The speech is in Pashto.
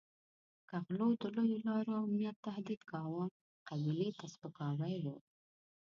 که غلو د لویو لارو امنیت تهدید کاوه قبیلې ته سپکاوی وو.